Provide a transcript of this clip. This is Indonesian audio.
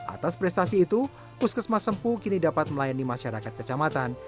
atas prestasi itu puskesmas sempu kini dapat melayani masyarakat kecamatan